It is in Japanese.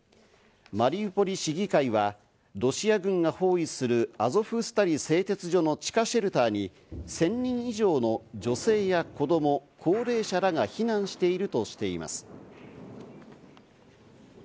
マリウポリ市議会はロシア軍が包囲するアゾフスタリ製鉄所の地下シェルターに１０００人以上の女性や子供、高齢者らが避難しているとしています。